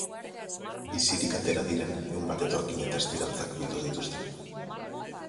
Bizirik atera diren ehun bat etorkinen testigantzak bildu dituzte.